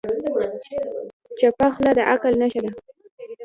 چپه خوله، د عقل نښه ده.